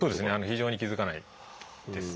非常に気付かないです。